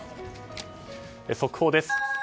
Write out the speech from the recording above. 速報です。